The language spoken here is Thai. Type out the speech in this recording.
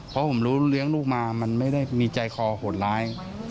เพราะผมรู้เลี้ยงลูกมามันไม่ได้มีใจคอโหดร้าย